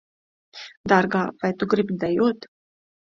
Dārgā, vai tu gribi dejot?